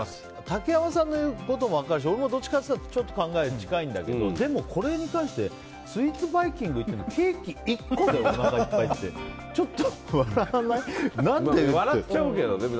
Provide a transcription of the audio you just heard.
竹山さんの言うことも分かるし俺もどっちかっていうとちょっと考えが近いんだけどでもこれに関してはスイーツバイキングでケーキ１個でおなかいっぱいってちょっと笑わない？